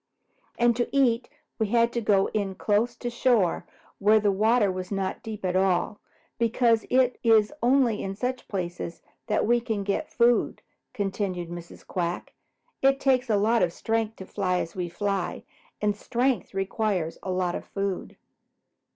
"And to eat we had to go in close to shore where the water was not at all deep, because it is only in such places that we can get food," continued Mrs. Quack. "It takes a lot of strength to fly as we fly, and strength requires plenty of food.